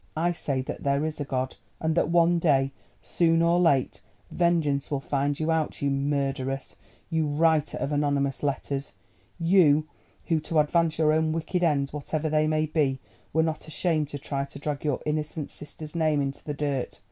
I say that there is a God, and that one day, soon or late, vengeance will find you out—you murderess, you writer of anonymous letters; you who, to advance your own wicked ends whatever they may be, were not ashamed to try to drag your innocent sister's name into the dirt.